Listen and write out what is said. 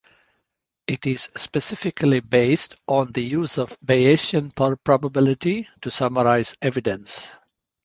It is specifically based on the use of Bayesian probability to summarize evidence.